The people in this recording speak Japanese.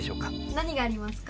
なにがありますか？